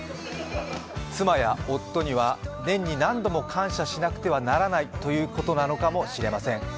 妻や夫には年に何度も感謝しなければいけないということかもしれません。